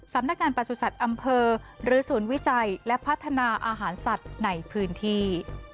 สำนักงานประสุทธิ์อำเภอหรือศูนย์วิจัยและพัฒนาอาหารสัตว์ในพื้นที่